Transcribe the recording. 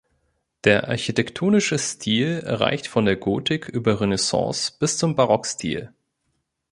Der architektonische Stil reicht von der Gotik über Renaissance- bis zum Barock-Stil.